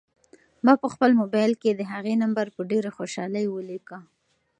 ما په خپل موبایل کې د هغې نمبر په ډېرې خوشحالۍ ولیکه.